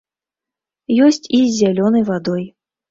Ёсць і з зялёнай вадой.